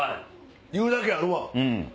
言うだけあるわ。